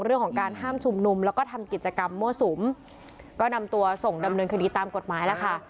เรื่องของการห้ามชุมนุมแล้วก็ทำกิจกรรมมั่วสุมก็นำตัวส่งดำเนินคดีตามกฎหมายแล้วค่ะ